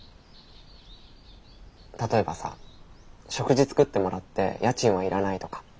例えばさ食事作ってもらって家賃はいらないとか。